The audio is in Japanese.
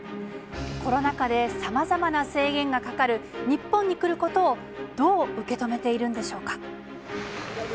コロナ禍で、さまざまな制限がかかる日本に来ることをどう受け止めているんでしょうか。